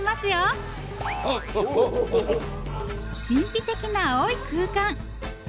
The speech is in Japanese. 神秘的な青い空間。